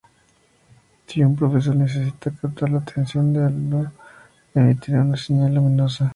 Si un profesor necesita captar la atención del aula, emitirá una señal luminosa.